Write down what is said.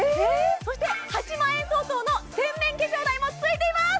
そして８万円相当の洗面化粧台もついています！